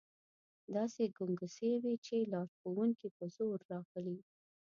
داسې ګنګوسې وې چې لارښوونکي په زور راغلي.